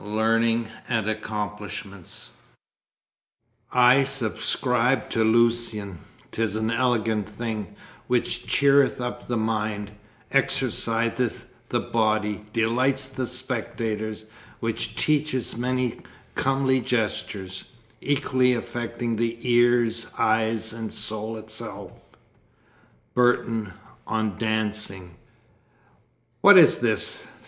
Learning and Accomplishments "I subscribe to Lucian: 'tis an elegant thing which cheareth up the mind, exerciseth the body, delights the spectators, which teacheth many comely gestures, equally affecting the ears, eyes and soul itself." BURTON, on Dancing. "What is this?"